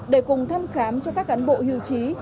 để cùng thăm khám cho các cán bộ hưu trí